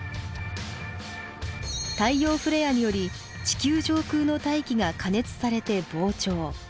太陽フレアにより地球上空の大気が加熱されて膨張。